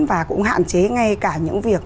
và cũng hạn chế ngay cả những việc